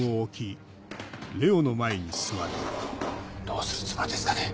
どうするつもりですかね？